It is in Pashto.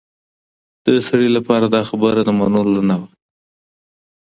د سړي لپاره دا خبره د منلو نه وه.